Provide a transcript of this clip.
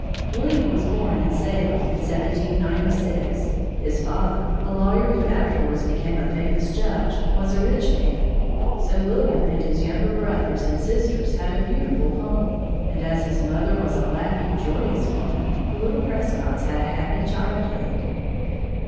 William was born in Salem, in 1796. His father, a lawyer who afterwards became a famous judge, was a rich man, so William and his younger brothers and sisters had a beautiful home; and as his mother was a laughing, joyous woman, the little Prescotts had a happy childhood.